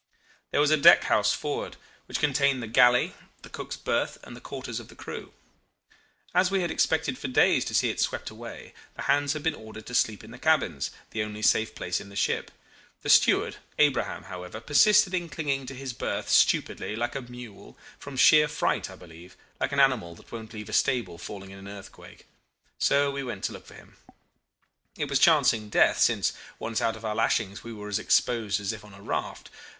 "There was a deck house forward, which contained the galley, the cook's berth, and the quarters of the crew. As we had expected for days to see it swept away, the hands had been ordered to sleep in the cabin the only safe place in the ship. The steward, Abraham, however, persisted in clinging to his berth, stupidly, like a mule from sheer fright I believe, like an animal that won't leave a stable falling in an earthquake. So we went to look for him. It was chancing death, since once out of our lashings we were as exposed as if on a raft.